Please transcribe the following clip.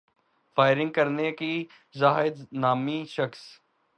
firing کر کے زاہد نامی شخص